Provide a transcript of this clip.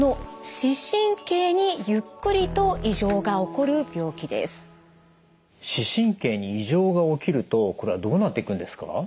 視神経に異常が起きるとこれはどうなっていくんですか？